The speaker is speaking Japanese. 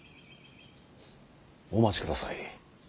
お待ちください。